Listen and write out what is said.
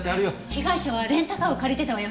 被害者はレンタカーを借りてたわよね。